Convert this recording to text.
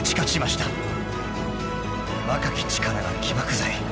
［若き力が起爆剤］